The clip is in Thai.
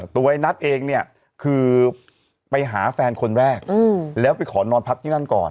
ไอ้นัทเองเนี่ยคือไปหาแฟนคนแรกแล้วไปขอนอนพักที่นั่นก่อน